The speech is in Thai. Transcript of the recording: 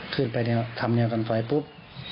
ขึ้นไปทำแนวกันไฟปุ๊บ